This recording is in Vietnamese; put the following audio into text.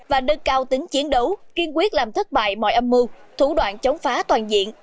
và nâng cao tính chiến đấu kiên quyết làm thất bại mọi âm mưu thủ đoạn chống phá toàn diện